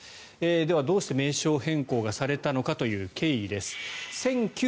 では、どうして名称変更がされたのかという経緯です。